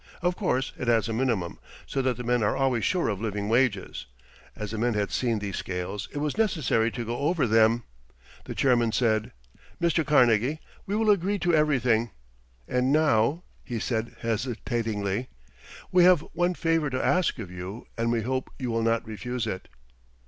Of course it has a minimum, so that the men are always sure of living wages. As the men had seen these scales, it was unnecessary to go over them. The chairman said: "Mr. Carnegie, we will agree to everything. And now," he said hesitatingly, "we have one favor to ask of you, and we hope you will not refuse it."